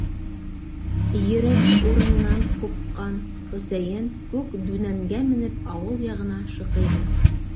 Йөрәге урынынан ҡупҡан Хөсәйен, күк дүнәнгә менеп, ауыл яғына шыҡыйҙы...